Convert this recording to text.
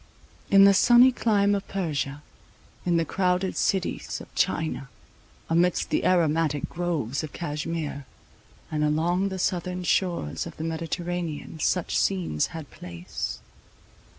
In the sunny clime of Persia, in the crowded cities of China, amidst the aromatic groves of Cashmere, and along the southern shores of the Mediterranean, such scenes had place.